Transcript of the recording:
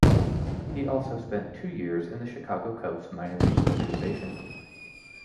He also spent two years in the Chicago Cubs' minor league organization.